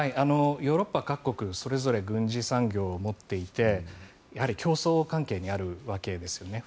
ヨーロッパ各国それぞれ軍事産業を持っていて競争関係にあるわけですね。